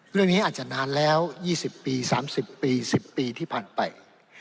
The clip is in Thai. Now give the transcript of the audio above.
เรื่องนี้อาจจะนานแล้ว๒๐ปี๓๐ปี๑๐ปีที่ผ่านไป